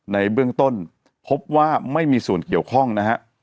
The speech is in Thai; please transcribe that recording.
ในเบื้องต้นพบว่าไม่มีส่วนเกี่ยวข้องนะฮะ